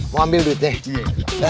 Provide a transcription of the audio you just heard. mau ambil duit nih